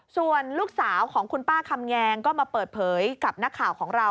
ส่วนลูกสาวของคุณป้าคำแงงก็มาเปิดเผยกับนักข่าวของเรา